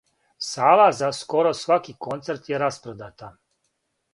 Сала за скоро сваки концерт је распродата.